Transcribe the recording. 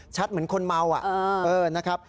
ชัดเหมือนคนเมาอ่ะเออนะครับ